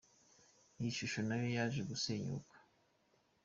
Iyi shusho na yo yaje gusenyuka.